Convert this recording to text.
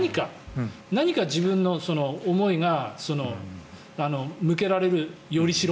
何か、自分の思いが向けられる依り代。